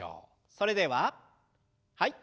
それでははい。